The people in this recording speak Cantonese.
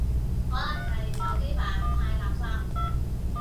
可能係手機版太垃圾